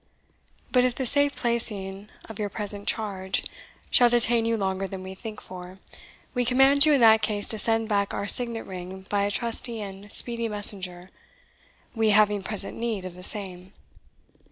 But if the safe placing of your present charge shall detain you longer than we think for, we command you in that case to send back our signet ring by a trusty and speedy messenger, we having present need of the same.